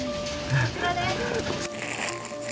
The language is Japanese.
こちらです！